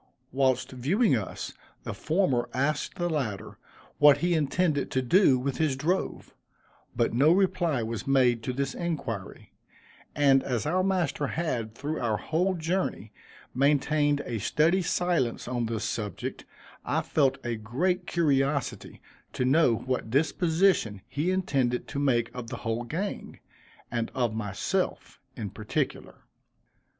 Whilst viewing us, the former asked the latter, what he intended to do with his drove; but no reply was made to this inquiry and as our master had, through our whole journey, maintained a studied silence on this subject, I felt a great curiosity to know what disposition he intended to make of the whole gang, and of myself in particular.